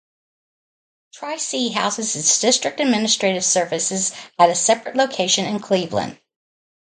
Tri-C houses its district administrative services at a separate location in Cleveland.